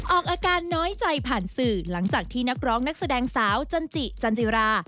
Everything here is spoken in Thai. ออกอาการน้อยใจผ่านสื่อหลังจากที่นักร้องนักแสดงสาวจันจิจันจิรา